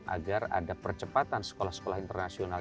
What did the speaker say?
agar ada percepatan sekolah sekolah internasional